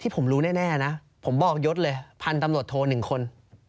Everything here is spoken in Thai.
ผมบอกยศเลย๑คน